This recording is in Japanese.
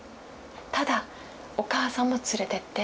「ただお母さんも連れてって。